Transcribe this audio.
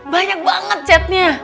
banyak banget chatnya